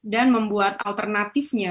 dan membuat alternatifnya